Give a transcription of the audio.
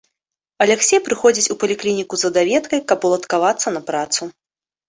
Аляксей прыходзіць у паліклініку за даведкай, каб уладкавацца на працу.